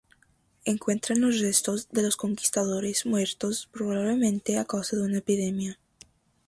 Encuentran los restos de los conquistadores, muertos probablemente a causa de una epidemia.